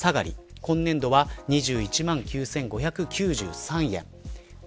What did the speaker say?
今年度は、２１万９５９３円。